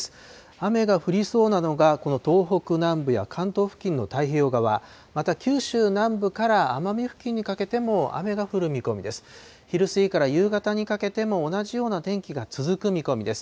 雨が降りそうなのが、この東北南部や関東付近の太平洋側、また九州南部から奄美付近にかけても、雨が降る見込みです。